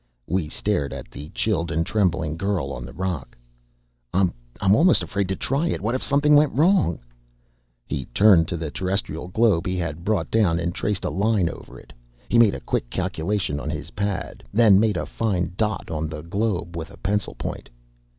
We stared at the chilled and trembling girl on the rock. "I'm almost afraid to try it. What if something went wrong?" He turned to the terrestrial globe he had brought down and traced a line over it. He made a quick calculation on his pad, then made a fine dot on the globe with the pencil point.